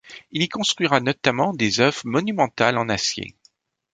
Il y construira notamment des œuvres monumentales en acier.